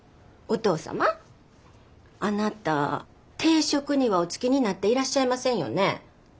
あなた定職にはお就きになっていらっしゃいませんよね。